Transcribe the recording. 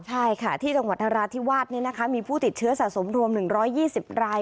ใช่ค่ะที่จังหวัดธรรมดิ์ที่วาดนี่นะคะมีผู้ติดเชื้อสะสมรวม๑๒๐ราย